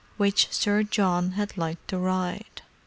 which Sir John had liked to ride.